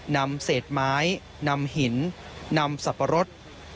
นำเศษไม้นำหินนำสับปะรด